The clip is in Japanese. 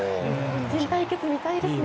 日本人対決見たいですね。